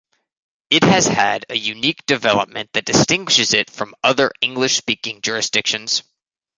It has had a unique development that distinguishes it from other English-speaking jurisdictions.